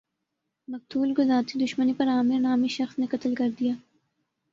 مقتول کو ذاتی دشمنی پر عامر نامی شخص نے قتل کردیا